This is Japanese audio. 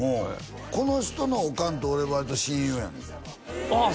この人のおかんと俺割と親友やねんああ